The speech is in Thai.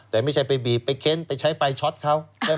แต่ไม่ใช่ไปบีบไปเค้นไปใช้ไฟช็อตเขา